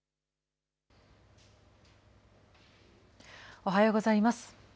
おはようございます。